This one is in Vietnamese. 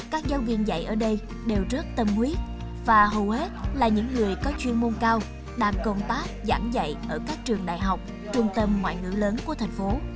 các người có chuyên môn cao đang công tác giảng dạy ở các trường đại học trung tâm ngoại ngữ lớn của thành phố